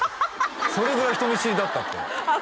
それぐらい人見知りだったってああ